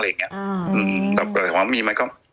แล้วส่งของมีไม๊